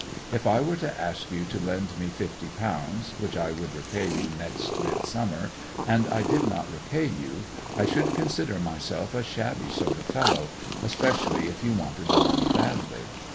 If I were to ask you to lend me fifty pounds, which I would repay you next midsummer, and I did not repay you, I should consider myself a shabby sort of fellow, especially if you wanted the money badly.